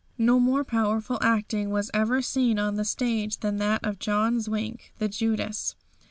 No more powerful acting was ever seen on the stage than that of John Zwink, the Judas.